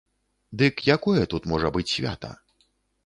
Дык якое тут можа быць свята?